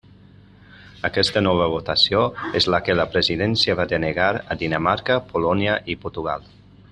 Aquesta nova votació és la que la presidència va denegar a Dinamarca, Polònia i Portugal.